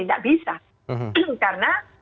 tidak bisa karena